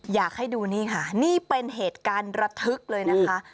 อยากให้ดูนี่ค่ะนี่เป็นเหตุการณ์ระทึกเลยนะคะ